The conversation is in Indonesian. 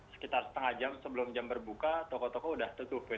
sekitar setengah jam sebelum jam berbuka toko toko sudah tertutup ya